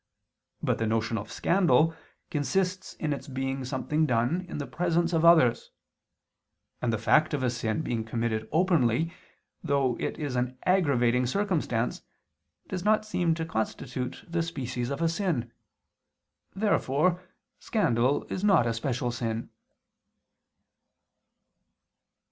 But the notion of scandal consists in its being something done in the presence of others: and the fact of a sin being committed openly, though it is an aggravating circumstance, does not seem to constitute the species of a sin. Therefore scandal is not a special sin.